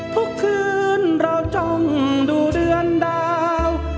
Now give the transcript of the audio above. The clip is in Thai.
ทุกคืนเราจ้องดูเรือนดาว